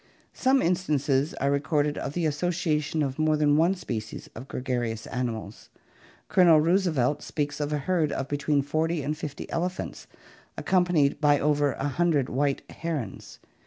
Some instances are recorded of the association of more than one species of gregarious animals. Colonel Roosevelt speaks of a herd of between forty and fifty elephants, accompanied by over a hundred white herons.